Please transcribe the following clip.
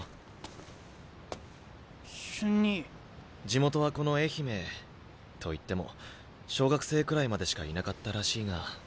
地元はこの愛媛と言っても小学生くらいまでしかいなかったらしいが。